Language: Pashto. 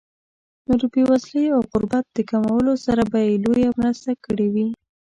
نو د بېوزلۍ او غربت د کمولو سره به یې لویه مرسته کړې وي.